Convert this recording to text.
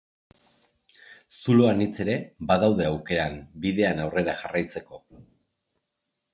Zulo anitz ere badaude aukeran bidean aurrera jarraitzeko.